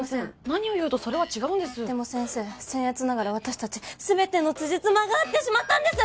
何を言おうとそれは違うんですでも先生せん越ながら私達全ての辻褄が合ってしまったんです！